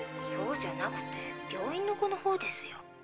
そうじゃなくて病院の子のほうですよ。